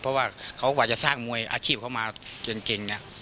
เพราะว่าเขากว่าจะสร้างมวยอาชีพเขามาจนเก่งเนี่ย